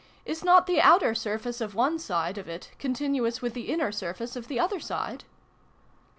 "Is not the outer surface of one side of it continuous with the inner surface of the other side